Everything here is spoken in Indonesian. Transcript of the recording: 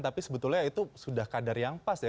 tapi sebetulnya itu sudah kadar yang pas ya